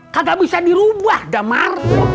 kagak bisa dirubah damar